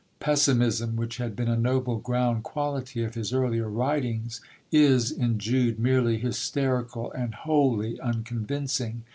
Pessimism, which had been a noble ground quality of his earlier writings, is in Jude merely hysterical and wholly unconvincing.